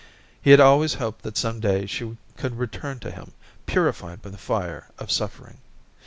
He had always hoped that some day she could return to him, purified by the fire of suffering.